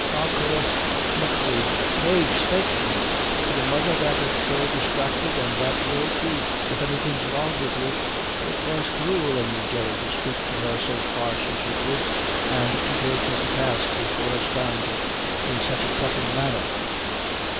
Achora, machree, Mave, spake to! me to the mother that 'ud go distracted, an' that will, too, if anything's wrong wid you. It was cruel in you, Jerry, to spake to; her so harsh as you did, an' to take her to task before a sthranger in such a cuttin' manner.